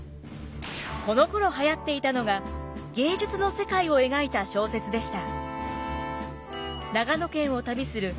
このころはやっていたのが芸術の世界を描いた小説でした。